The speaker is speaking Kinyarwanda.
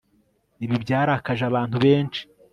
Ibi byarakaje abantu benshi